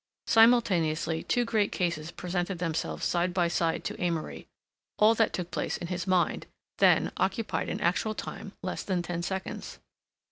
Simultaneously two great cases presented themselves side by side to Amory; all that took place in his mind, then, occupied in actual time less than ten seconds.